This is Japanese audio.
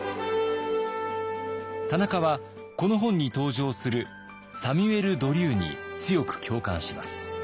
田中はこの本に登場するサミュエル・ドリューに強く共感します。